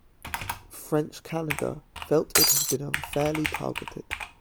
French Canada felt it had been unfairly targeted.